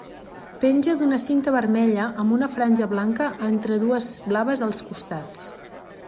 Penja d'una cinta vermella, amb una franja blanca entre dues blaves als costats.